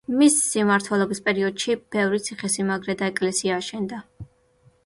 მისი მმართველობის პერიოდში ბევრი ციხესიმაგრე და ეკლესია აშენდა.